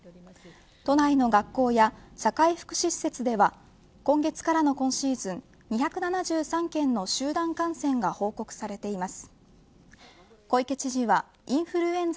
都内の学校や社会福祉施設では今月からの今シーズン２７３件の集団感染が報告されています。